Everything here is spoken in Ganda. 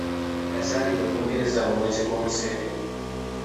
Yazalibwa e Bungereza mu mwezi gwa musenene.